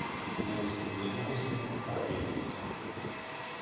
Měli spolu jednoho syna a pět dcer.